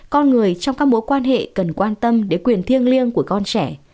con người trong các mối quan hệ cần quan tâm đến quyền thiêng liêng của con trẻ